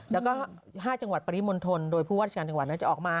แล้วก็๕จังหวัดปริมณฑลโดยผู้ว่าชาวนี้จะออกมา